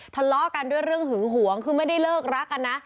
ทะเลาะกันด้วยเรื่องหึงหวงคือไม่ได้เลิกรักกันนะ